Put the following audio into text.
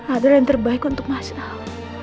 ada yang terbaik untuk mas al